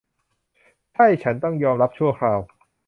ใช่ฉันต้องยอมรับชั่วคราว